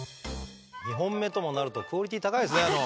２本目ともなるとクオリティー高いですね。